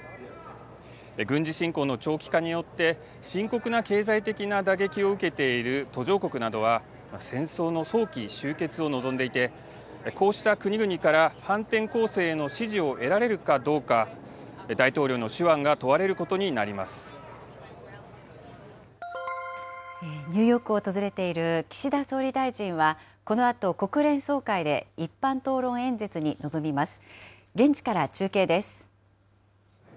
軍事侵攻の長期化によって、深刻な経済的な打撃を受けている途上国などは、戦争の早期終結を望んでいて、こうした国々から反転攻勢への支持を得られるかどうか、大統領のニューヨークを訪れている岸田総理大臣は、このあと国連総会で一般討論演説に臨みます。